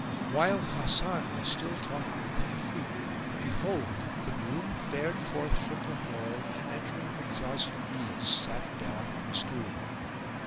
While Hasan was still talking with the Ifrit behold, the groom fared forth from the hall and entering the closet of ease sat down on the stool.